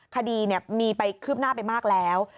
คดีมีไปคืบหน้าไปมากแล้ว